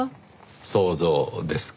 想像ですか。